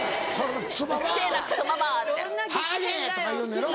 ハゲ！とか言うのやろ？